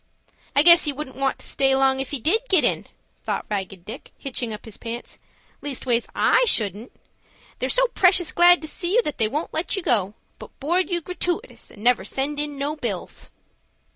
"I guess he wouldn't want to stay long if he did get in," thought Ragged Dick, hitching up his pants. "Leastways I shouldn't. They're so precious glad to see you that they won't let you go, but board you gratooitous, and never send in no bills."